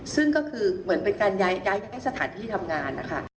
ซึ่งก็คือเหมือนเป็นการย้ายเศรษฐานที่ทำงาน